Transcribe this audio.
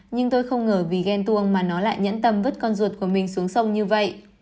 nhưng tôi không ngờ vì ghen tuông mà nó lại nhẫn tâm vứt con ruột của mình xuống sông như vậy